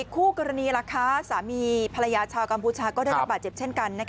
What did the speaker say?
คู่กรณีสามีภรรยาชาวกัมพูชาก็ได้รับบาดเจ็บเช่นกัน